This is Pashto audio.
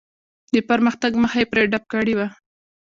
د پرمختګ مخه یې پرې ډپ کړې وه.